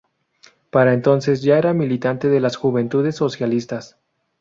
Para entonces ya era militante de las Juventudes Socialistas.